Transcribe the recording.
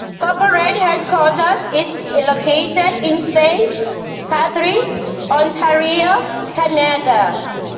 Corporate headquarters is located in Saint Catharines, Ontario, Canada.